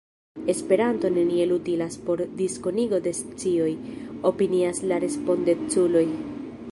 Esperanto neniel utilas por diskonigo de scioj, opinias la respondeculoj.